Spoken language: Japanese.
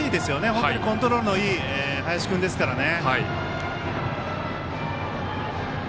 本当にコントロールのいい林君ですからね。